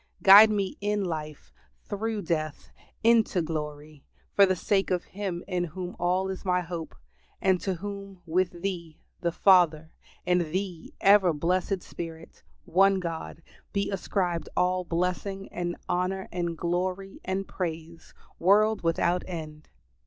Guide me in life, through death, into glory, for the sake of Him in whom is all my hope, and to whom, with Thee the Father, and Thee, ever blessed Spirit, one God, be ascribed all blessing and honor and glory and praise, world without end.